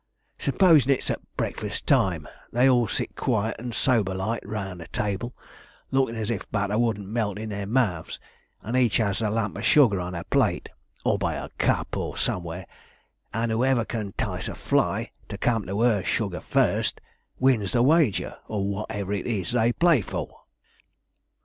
'Sposing it's at breakfast time, they all sit quiet and sober like round the table, lookin' as if butter wouldn't melt in their mouths, and each has a lump o' sugar on her plate, or by her cup, or somewhere, and whoever can 'tice a fly to come to her sugar first, wins the wager, or whatever it is they play for.'